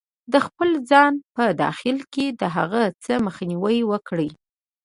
-د خپل ځان په داخل کې د هغه څه مخنیوی وکړئ